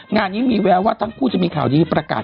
งานนี้มีแววว่าทั้งคู่จะมีข่าวดีประกาศ